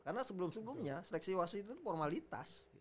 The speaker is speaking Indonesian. karena sebelum sebelumnya seleksi wasit itu formalitas